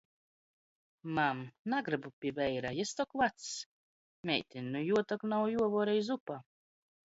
Mam, nagrybu pi veira, jis tok vacs! Meiteņ, nu juo tok nav juovuorej zupa!